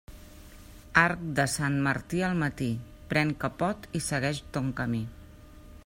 Arc de Sant Martí al matí, pren capot i segueix ton camí.